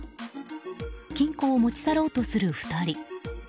金庫を持ち去ろうとする２人。